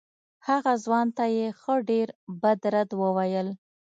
هغه ځوان ته یې ښه ډېر بد رد وویل.